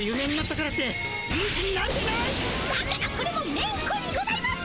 だからそれもメンコにございます！